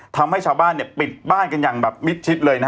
ทำให้ชาวบ้านปิดบ้านกันอย่างแบบมิดชิดเลยนะฮะ